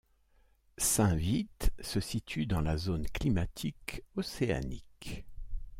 Saint-Vite se situe dans la zone climatique océanique.